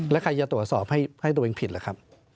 แล้วใครจะตรวจสอบให้ตัวเองผิดล่ะครับ